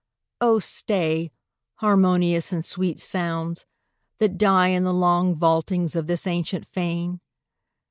Oh, stay, harmonious and sweet sounds, that die In the long vaultings of this ancient fane!